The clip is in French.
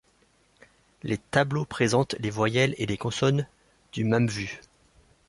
Les tableaux présentent les voyelles et les consonnes du mamvu.